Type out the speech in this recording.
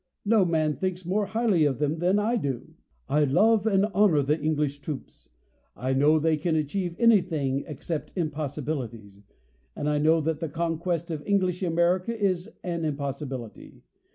No man thinks more highly of them than I do. I love and honor the En glish troops. 1 know they can achieve any thing except impossibilities : and 1 know that the conquest of English America is an impossibility.